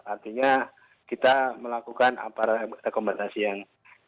artinya kita melakukan rekomendasi yang